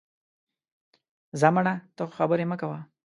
ځه مړه، ته خو خبرې مه کوه